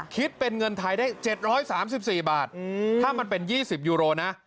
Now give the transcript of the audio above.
คิดเป็นเงินไทยได้๗๓๔บาทถ้ามันเป็น๒๐ยูโรนะ